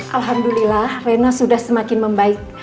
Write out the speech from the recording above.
alhamdulillah rena sudah semakin membaik